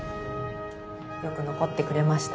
よく残ってくれました。